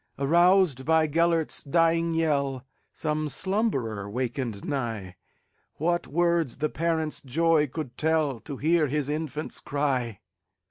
Aroused by Gêlert's dying yell, Some slumberer wakened nigh:What words the parent's joy could tellTo hear his infant's cry!